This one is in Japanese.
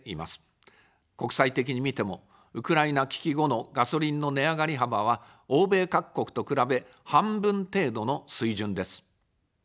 国際的に見ても、ウクライナ危機後のガソリンの値上がり幅は、欧米各国と比べ、半分程度の水準です。